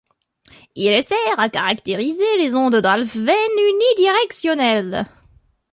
Il est sert à caractériser les ondes d'Alfven unidirectionnelles.